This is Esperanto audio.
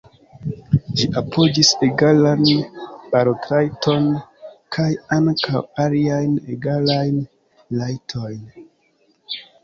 Ĝi apogis egalan balotrajton, kaj ankaŭ aliajn egalajn rajtojn.